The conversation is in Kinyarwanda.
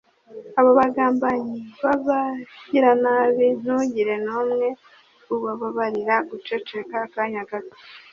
abo bagambanyi b’abagiranabi ntugire n’umwe ubabarira guceceka akanya gato